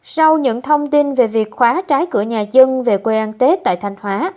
sau những thông tin về việc khóa trái cửa nhà dân về quê ăn tết tại thanh hóa